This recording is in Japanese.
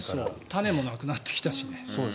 種もなくなってきたしね。